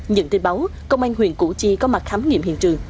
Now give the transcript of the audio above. nhận tin báo công an huyện củ chi có mặt khám nghiệm hiện trường